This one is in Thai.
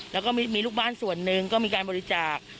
แล้วก็มีลูกบ้านส่วนหนึ่งก็มีการบริจาค